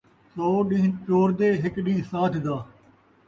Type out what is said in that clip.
سو ݙین٘ھ چور دے ، ہک ݙین٘ھ سادھ دا